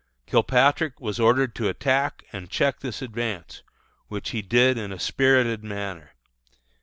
Kilpatrick was ordered to attack and check this advance, which he did in a spirited manner.